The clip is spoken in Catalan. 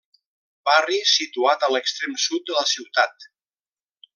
Barri situat a l'extrem sud de la ciutat.